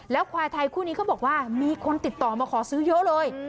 ควายไทยคู่นี้เขาบอกว่ามีคนติดต่อมาขอซื้อเยอะเลย